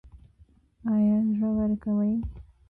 ایا زړه ورکوئ؟